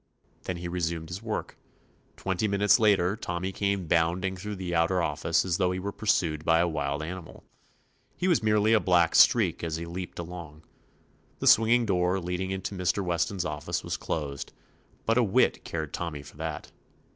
Then he resumed his work. Twenty minutes later Tommy came bounding through the outer office as though he were pursued by a wild animal. He was merely a black streak as he leaped along. The swinging door leading into Mr. Weston's office was closed, but a whit cared Tommy for that!